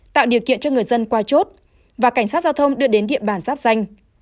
tạo điều kiện cho người dân qua chốt và cảnh sát giao thông đưa đến địa bàn giáp danh